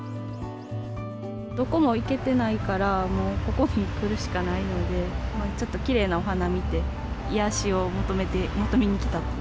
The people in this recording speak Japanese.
どこも行けてないから、もうここに来るしかないので、ちょっときれいなお花見て、癒やしを求めに来た。